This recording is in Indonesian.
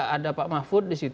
ada pak mahfud di situ